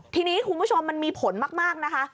ทีนี้คุณผู้ชมมันมีผลมากนะคะ